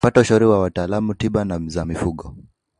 Pata ushauri wa wataalamu wa tiba za mifugo